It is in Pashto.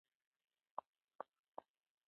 د ازادیو رېښه په خپلو سیاسي بیانیو کې درک کولای شو.